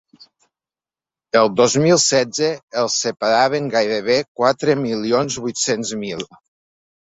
El dos mil setze els separaven gairebé quatre milions vuit-cents mil.